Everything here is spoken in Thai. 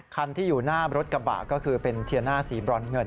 คันที่อยู่หน้ารถกระบะก็คือเป็นเทียน่าสีบรอนเงิน